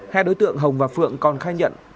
hai đối tượng hồng và phượng còn khai nhận